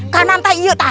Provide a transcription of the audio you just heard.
kanan tak iya tak